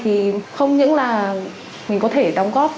thì không những là mình có thể đóng góp